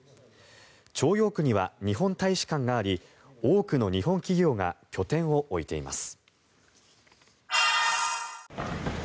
朝陽区には日本大使館があり多くの日本企業が拠点を置いています。